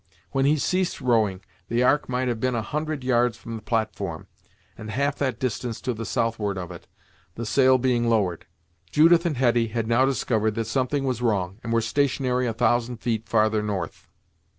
When he ceased rowing, the Ark might have been a hundred yards from the platform, and half that distance to the southward of it, the sail being lowered. Judith and Hetty had now discovered that something was wrong, and were stationary a thousand feet farther north.